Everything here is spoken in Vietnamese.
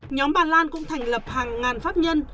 nhóm bà lan cũng thành lập hàng ngàn pháp nhân